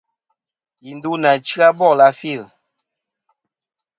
Yi ndu nà chya bòl a fil.